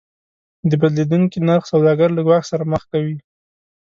د بدلیدونکي نرخ سوداګر له ګواښ سره مخ کوي.